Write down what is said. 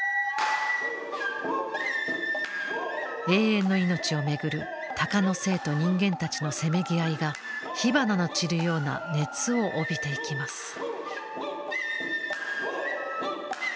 永遠の命を巡る鷹の精と人間たちのせめぎ合いが火花の散るような熱を帯びていきます。